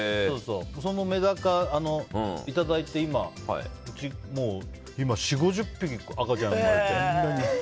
そのメダカ、いただいて今、うち４０５０匹赤ちゃんが生まれて。